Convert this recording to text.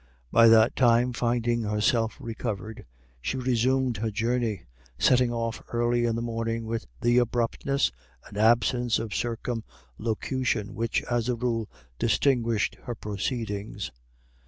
By that time, finding herself recovered, she resumed her journey, setting off early in the morning with the abruptness and absence of circumlocution which, as a rule, distinguished her proceedings.